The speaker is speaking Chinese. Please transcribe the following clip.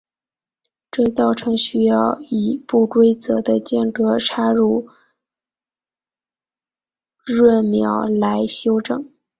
这造成需要以不规则的间隔插入闰秒来修正。